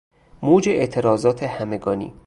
موج اعتراضات همگانی